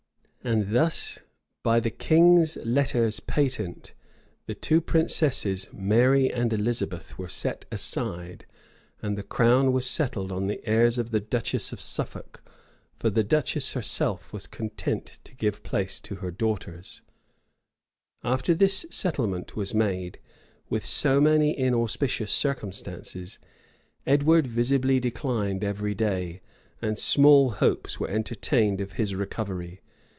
And thus, by the king's letters patent, the two princesses, Mary and Elizabeth, were set aside; and the crown was settled on the heirs of the duchess of Suffolk; for the duchess herself was content to give place to her daughters. * Cranm. Mem. p. 295 After this settlement was made, with so many inauspicious circumstances, Edward visibly declined every day, and small hopes were entertained of his recovery.